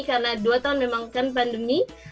karena dua tahun memang kan pandemi